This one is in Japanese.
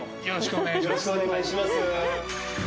よろしくお願いします。